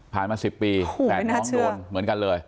มา๑๐ปีแฝดน้องโดนเหมือนกันเลย